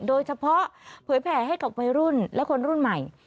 โดยเฉพาะเผยแผ่ให้กับวัยรุ่นและคนรุ่นใหม่